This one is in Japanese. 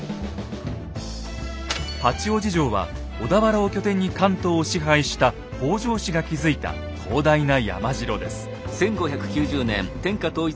八王子城は小田原を拠点に関東を支配した北条氏が築いた広大な山城です。